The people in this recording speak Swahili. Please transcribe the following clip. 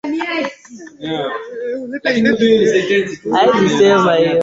Mkuu wa Wandewa huitwa Mgoli MkuluKingalu MwanaFuko na hata KingaluMwanakinoge pamoja